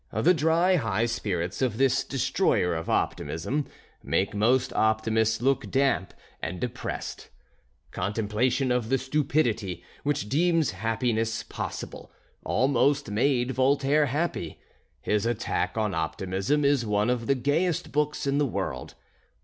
The dry high spirits of this destroyer of optimism make most optimists look damp and depressed. Contemplation of the stupidity which deems happiness possible almost made Voltaire happy. His attack on optimism is one of the gayest books in the world.